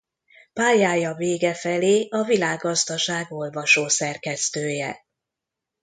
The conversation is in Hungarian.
Pályája vége felé a Világgazdaság olvasószerkesztője.